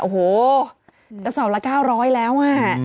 โอ้โหกระสอบละ๙๐๐แล้วอ่ะ